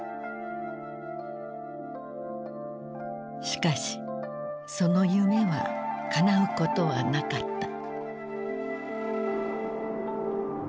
しかしその夢はかなうことはなかった。